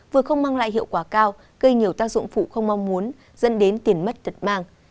vừa không mang lại hiệu quả cao gây nhiều tác dụng phụ không mong muốn dẫn đến tiền mất tật mang